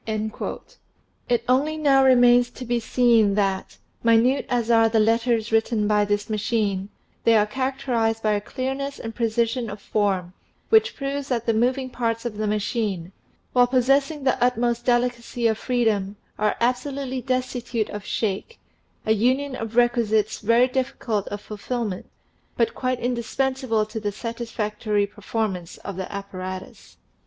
It only now remains to be seen that, minute as are the letters written by this machine, they are characterized by a clearness and precision of form which proves that the mov ing parts of the machine, while possessing the utmost 142 THE SEVEN FOLLIES OF SCIENCE delicacy of freedom, are absolutely destitute of shake, a union of requisites very difficult of fulfilment, but quite indispensable to the satisfactory performance of the ap paratus.